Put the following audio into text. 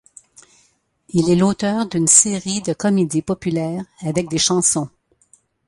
Il est l'auteur d'une série de comédies populaires avec des chansons.